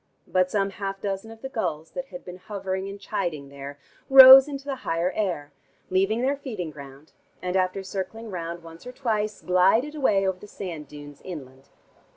But some half dozen of the gulls that had been hovering and chiding there, rose into the higher air, leaving their feeding ground, and after circling round once or twice, glided away over the sand dunes inland.